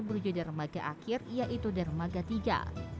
menuju darmaga akhir yaitu darmaga tiga